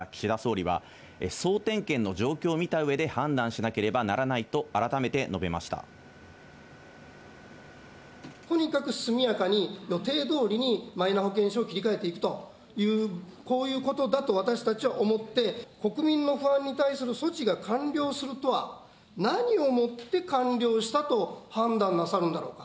今の保険証を来年秋に廃止する方針に変更がないかと問われた岸田総理は、総点検の状況を見たうえで判断しなければならないと改めて述べまとにかく速やかに、予定どおりにマイナ保険証を切り替えていくという、こういうことだと、私たちは思って、国民の不安に対する措置が完了するとは何をもって完了したと判断なさるんだろうか。